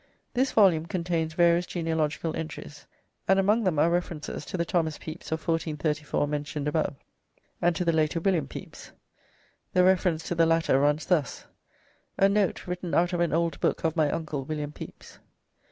This volume contains various genealogical entries, and among them are references to the Thomas Pepys of 1434 mentioned above, and to the later William Pepys. The reference to the latter runs thus: "A Noate written out of an ould Booke of my uncle William Pepys."